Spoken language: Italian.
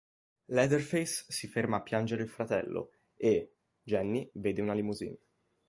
Leatherface si ferma a piangere il fratello e, Jenny vede una limousine.